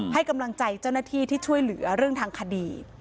ให้กำลังใจเจ้าหน้าที่ที่ช่วยเหลือเรื่องทางคดี